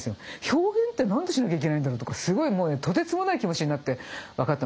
表現って何でしなきゃいけないんだろうとかすごいもうねとてつもない気持ちになって分かった